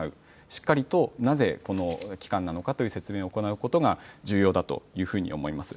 しっかりとなぜこの期間なのかという説明を行うことが重要だというふうに思います。